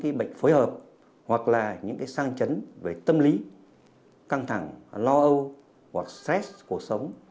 có những bệnh phối hợp hoặc là những sang chấn về tâm lý căng thẳng lo âu hoặc stress của sống